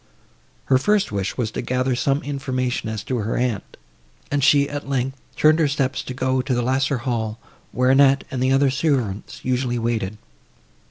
Her first wish was to gather some information, as to her aunt, and she, at length, turned her steps to go to the lesser hall, where Annette and the other servants usually waited.